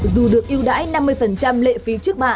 dù được yêu đãi năm mươi lệ phí trước bạ